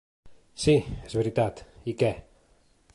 Sí, és veritat, i què?